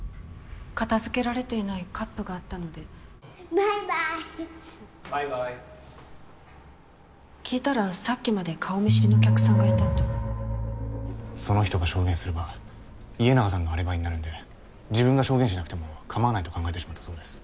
片付けられていないカップがあったのでバイバーイバイバーイ聞いたらさっきまでその人が証言すれば家長さんのアリバイになるんで自分が証言しなくても構わないと考えてしまったそうです。